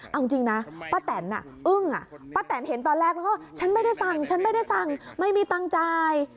เอาจริงนะป้าแตนอึ้งป้าแตนเห็นตอนแรกแล้วก็ฉันไม่ได้สั่งฉันไม่ได้สั่งไม่มีตังค์จ่าย